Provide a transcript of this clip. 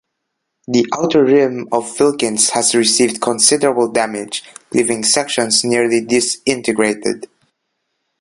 The outer rim of Wilkins has received considerable damage, leaving sections nearly disintegrated.